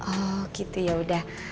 oh gitu yaudah